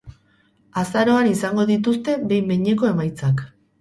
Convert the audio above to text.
Azaroan izango dituzte behin-behineko emaitzak.